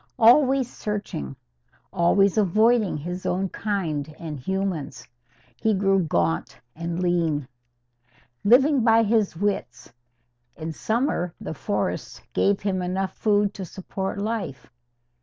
Always searching always avoiding his own kind and humans he grew gaunt and lean. Living by his wits, in summer the forests gave him enough food to support life.